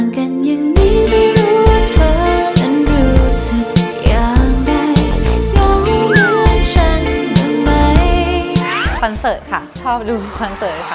คอนเสิร์ตค่ะชอบดูคอนเสิร์ตค่ะ